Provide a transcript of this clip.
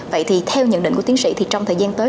vậy thì theo nhận định của tiến sĩ thì trong thời gian tới